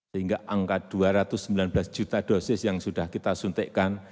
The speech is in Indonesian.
sehingga angka dua ratus sembilan belas juta dosis yang sudah kita suntikkan